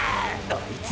あいつ！！